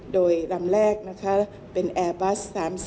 โดยลำแรกเป็นแอร์บัส๓๔๐